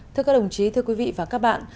thưa các đồng chí thưa quý vị và các bạn